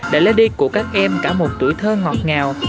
để lấy đi của các em cả một tuổi thơ ngọt ngào